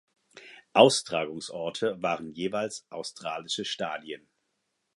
Austragungsorte waren jeweils australische Stadien.